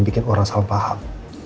bikin orang salah paham